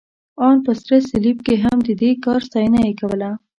ان په سره صلیب کې هم، د دې کار ستاینه یې کوله.